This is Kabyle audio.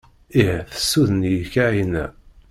Ih tessuden-iyi Kahina!